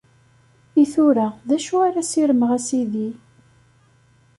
I tura, d acu ara ssirmeɣ, a Sidi?